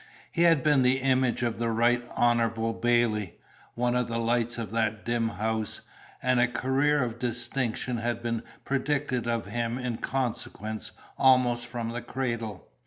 He had been the image of the Right Honourable Bailley, one of the lights of that dim house, and a career of distinction had been predicted of him in consequence almost from the cradle.